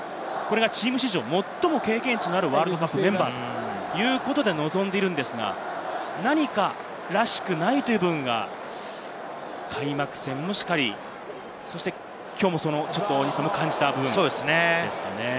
チーム史上、最も経験値のあるワールドカップメンバーということで臨んでいるのですが、何からしくないという部分が開幕戦もしかり、きょうも大西さんが感じている部分ですかね。